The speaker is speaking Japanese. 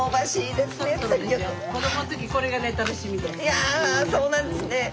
いやそうなんですね。